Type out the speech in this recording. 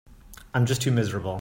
I'm just too miserable.